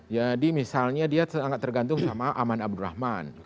jadi misalnya dia sangat tergantung sama aman abdurrahman